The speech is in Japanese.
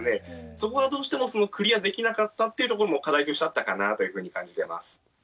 そこがどうしてもクリアできなかったっていうところも課題としてあったかなというふうに感じてます。